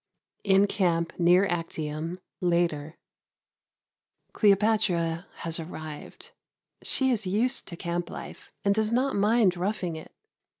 In Camp near Actium, later. Cleopatra has arrived. She is used to camp life and does not mind roughing it.